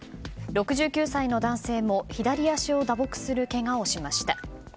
６９歳の男性も左足を打撲するけがをしました。